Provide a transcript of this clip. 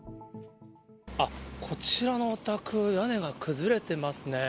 あっ、こちらのお宅、屋根が崩れてますね。